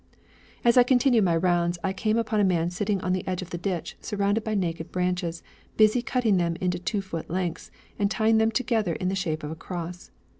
As I continued my rounds I came upon a man sitting on the edge of the ditch, surrounded by naked branches, busy cutting them into two foot lengths and tying them together in the shape of a cross.